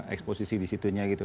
eksposisi disitunya gitu